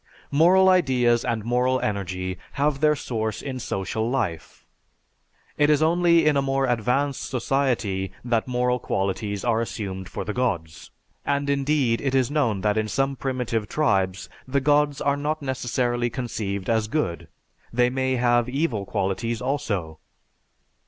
"_) Moral ideas and moral energy have their source in social life. It is only in a more advanced society that moral qualities are assumed for the gods. And indeed, it is known that in some primitive tribes, the gods are not necessarily conceived as good, they may have evil qualities also.